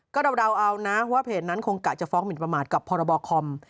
ก็เดาเอานะว่าเพจนั้นคงกะจะฟ้องหมินประมาทกับพรบคอม